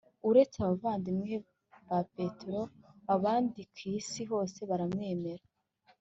Uretse abavandimwe ba petero abandi k’ isi hose baramwemera